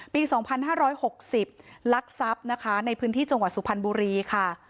ปีสองพันห้าร้อยหกสิบลักทรัพย์นะคะในพื้นที่จังหวัดสุพรรณบุรีค่ะ